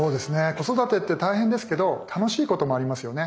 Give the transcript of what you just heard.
子育てって大変ですけど楽しいこともありますよね。